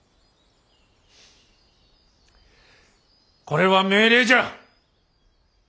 これは命令じゃ！